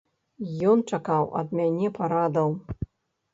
Ён чакаў ад мяне парадаў.